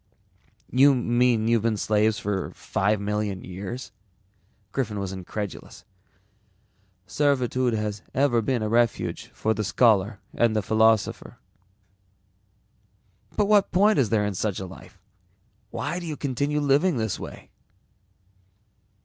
"You mean you've been slaves for five million years?" Griffin was incredulous. "Servitude has ever been a refuge for the scholar and the philosopher." "But what point is there in such a life? Why do you continue living this way?"